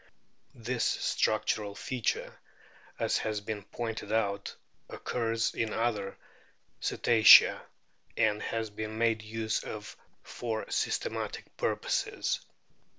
This structural feature, as has been pointed out, occurs in other Cetacea, and has been made use of for systematic purposes.